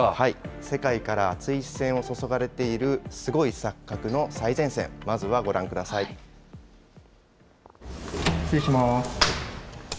世界から熱い視線を注がれているすごい錯覚の最前線、失礼します。